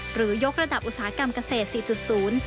หรือยกระดับอุตสาหกรรมเกษตร๔๐